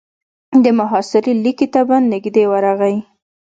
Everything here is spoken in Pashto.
د محاصرې ليکې ته به نږدې ورغی.